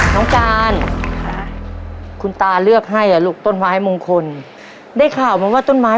น้องกาน